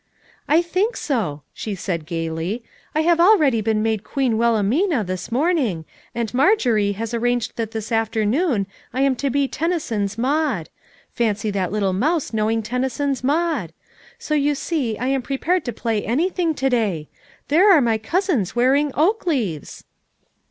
"I think so," she said gayly. "I have al ready been made ' Queen Wilhelmina' this morning, and Marjorie has arranged that this afternoon I am to be Tennyson's 'Maud'; fancy that little mouse knowing Tennyson's 'Maud'! — so you see I am prepared to play anything to day. There are my cousins wear ing oak leaves!"